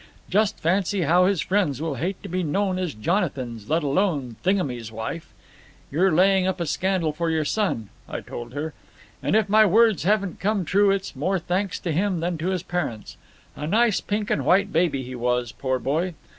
Just fancy how his friends will hate to be known as Jonathans, let alone thingamy's wife. You're laying up a scandal for your son,' I told her, and if my words haven't come true it's more thanks to him than to his parents. A nice pink and white baby he was, poor boy.